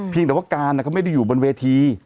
แต่ว่าการเขาไม่ได้อยู่บนเวที